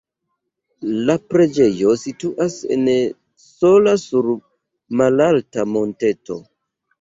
La preĝejo situas en sola sur malalta monteto.